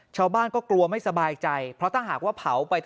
ชาวบ้านก็กลัวไม่สบายใจเพราะถ้าหากว่าเผาไป